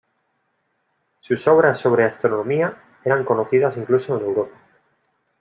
Sus obras sobre astronomía eran conocidas incluso en Europa.